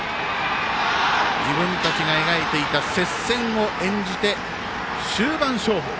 自分たちが描いていた接戦を演じて終盤勝負。